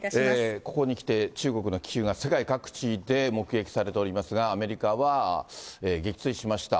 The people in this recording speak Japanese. ここにきて、中国の気球が世界各地で目撃されておりますが、アメリカは撃墜しました。